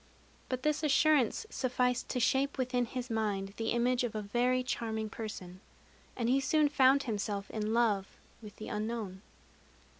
But this assurance sufficed to shape within his mind the image of a very charming person; and he soon found himself in love with the unknown.